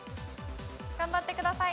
頑張ってください。